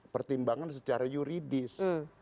pertimbangan secara yuridis